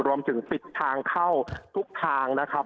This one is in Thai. รวมถึงปิดทางเข้าทุกทางนะครับ